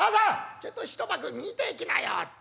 ちょいと一幕見ていきなよ』って。